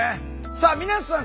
さあ皆さん